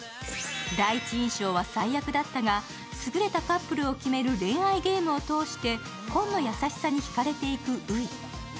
第一印象は最悪だったが、優れたカップルを決める恋愛ゲームを通して紺の優しさにひかれていく初。